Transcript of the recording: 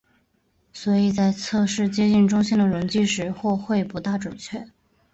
所以在测试接近中性的溶剂时或会不大准确。